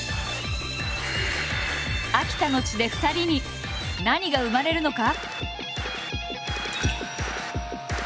秋田の地で２人に何が生まれるのか？